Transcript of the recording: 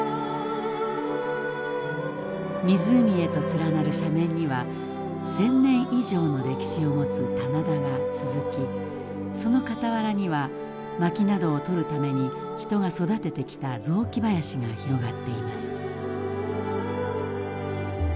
湖へと連なる斜面には１，０００年以上の歴史を持つ棚田が続きその傍らにはまきなどを取るために人が育ててきた雑木林が広がっています。